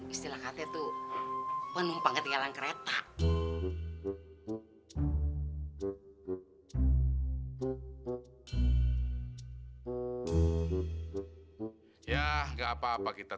istilah katanya tuh